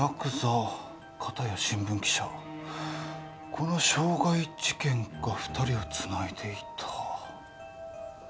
この傷害事件が２人をつないでいた。